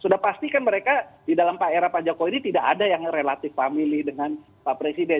sudah pasti kan mereka di dalam pak era pak jokowi ini tidak ada yang relatif famili dengan pak presiden